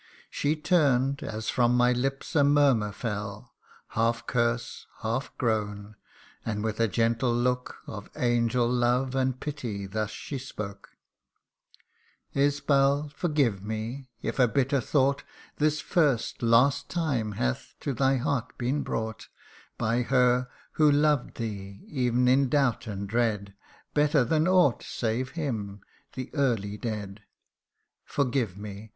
She turn'd, as from my lips a murmur fell, Half curse, half groan and with a gentle look Of angel love and pity thus she spoke :' Isbal, forgive me, if a bitter thought This first, last time hath to thy heart been brought By her who loved thee, ev'n in doubt and dread, Better than ought, save him the early dead ! Forgive me